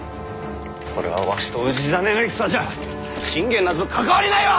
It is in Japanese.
これはわしと氏真の戦じゃ信玄なぞ関わりないわ！